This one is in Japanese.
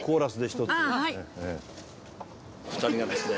お二人がですね